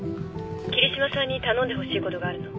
桐嶋さんに頼んでほしいことがあるの。